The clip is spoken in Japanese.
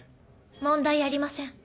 問題ありません。